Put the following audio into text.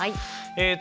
えっと